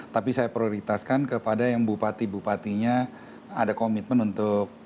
tapi saya prioritaskan kepada yang bupati bupatinya ada komitmen untuk